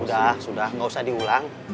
sudah nggak usah diulang